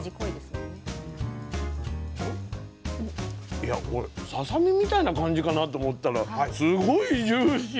いやこれささ身みたいな感じかなと思ったらすごいジューシー。